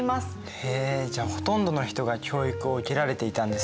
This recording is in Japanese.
へえじゃあほとんどの人が教育を受けられていたんですね。